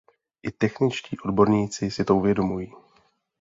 I techničtí odborníci si to uvědomují.